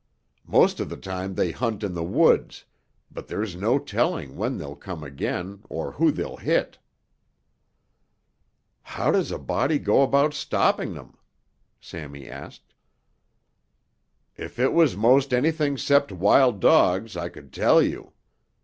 Most of the time they hunt in the woods, but there's no telling when they'll come again or who they'll hit." "How does a body go about stopping 'em?" Sammy asked. "If it was most anything 'cept wild dogs I could tell you.